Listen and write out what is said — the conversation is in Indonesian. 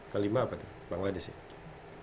kelima apa tuh bangladesh